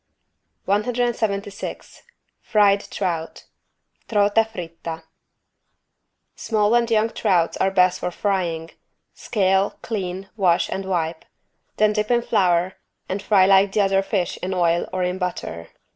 176 FRIED TROUT (Trota fritta) Small and young trouts are best for frying. Scale, clean, wash and wipe. Then dip in flour and fry like the other fish in oil or in butter.